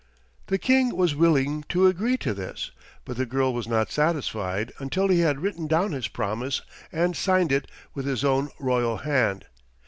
The King was willing to agree to this, but the girl was not satisfied until he had written down his promise and signed it with his own royal hand.